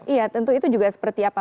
iya tentu itu juga seperti apa